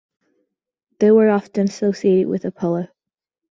They were often associated with Apollo.